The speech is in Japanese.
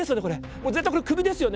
もう絶対これクビですよね？